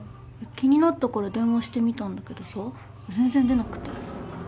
気になったから電話してみたんだけどさ全然出なくて。